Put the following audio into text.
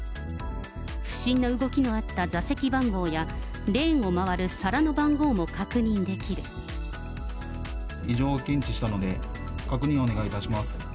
不審な動きのあった座席番号や、レーンを回る皿の番号も確認でき異常を検知したので、確認をお願いいたします。